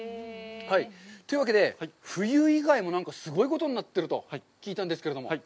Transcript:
というわけで、冬以外もすごいことになってると聞いたんですけれども。